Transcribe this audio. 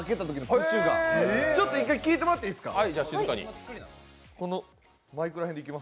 プシュッが、ちょっと一回聴いてもらっていいですか。